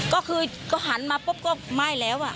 ก็คือสักพักก็หันมาบุ๊บก็ไม่เยอะแล้วอ่ะ